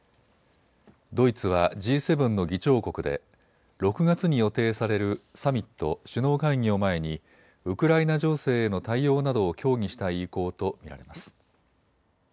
ドイツはＧ７の議長国で６月に予定されるサミット・首脳会議を前にウクライナ情勢への対応などを協議したい意向と見られます。